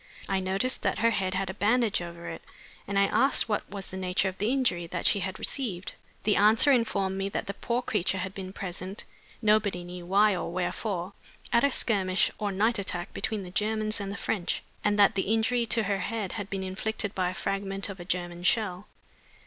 I noticed that her head had a bandage over it, and I asked what was the nature of the injury that she had received. The answer informed me that the poor creature had been present, nobody knew why or wherefore, at a skirmish or night attack between the Germans and the French, and that the injury to her head had been inflicted by a fragment of a German shell.